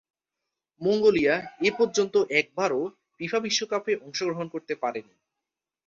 Mongolia এপর্যন্ত একবারও FIFA বিশ্বকাপে অংশগ্রহণ করতে পারেনি।